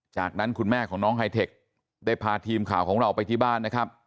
จากนั้นคุณแม่ของน้องไฮเทคได้พาทีมข่าวของเราไปที่บ้านนะครับ